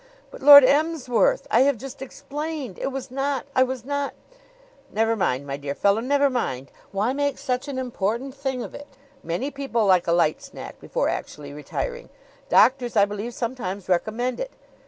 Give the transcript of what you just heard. "But, Lord Emsworth! I have just explained It was not I was not " "Never mind, my dear fellow; never mind. Why make such an important thing of it? Many people like a light snack before actually retiring. Doctors, I believe, sometimes recommend it.